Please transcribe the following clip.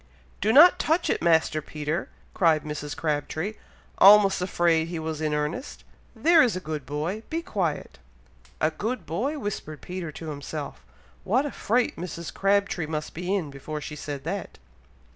"Do not touch it, Master Peter!" cried Mrs. Crabtree, almost afraid he was in earnest. "There is a good boy, be quiet!" "A good boy!!" whispered Peter to himself. "What a fright Mrs. Crabtree must be in, before she said that!"